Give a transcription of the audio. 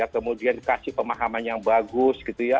kemudian kasih pemahaman yang bagus